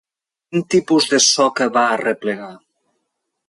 Quin tipus de soca va arreplegar?